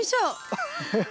ハハハッ。